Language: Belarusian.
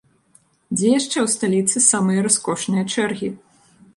Дзе яшчэ ў сталіцы самыя раскошныя чэргі?